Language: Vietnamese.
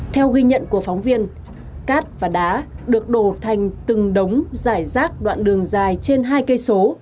theo ghi nhận của phóng viên cát và đá được đổ thành từng đống giải rác đoạn đường dài trên hai cây số